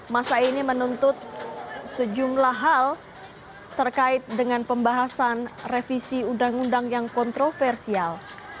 masa ini menuntut sejumlah hal terkait dengan pembahasan revisi undang undang yang kontroversial